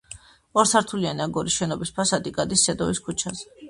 ორსართულიანი აგურის შენობის ფასადი გადის სედოვის ქუჩაზე.